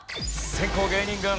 先攻芸人軍。